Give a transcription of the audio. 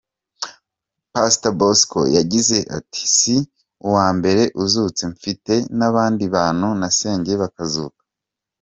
Pastor Bosco yagize ati: "Si uwa mbere uzutse mfite n’abandi bantu nasengeye bakazuka.